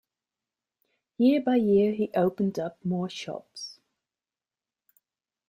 Year by year he opened up more shops.